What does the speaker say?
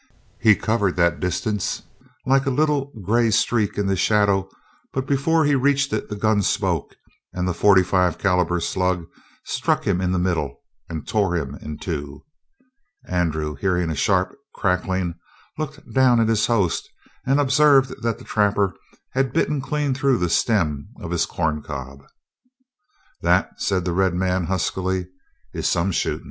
He covered that distance like a little gray streak in the shadow, but before he reached it the gun spoke, and the forty five caliber slug struck him in the middle and tore him in two. Andrew, hearing a sharp crackling, looked down at his host and observed that the trapper had bitten clean through the stem of his corncob. "That," said the red man huskily, "is some shootin'."